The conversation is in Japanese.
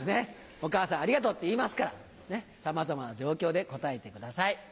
「お母さんありがとう」って言いますからさまざまな状況で答えてください。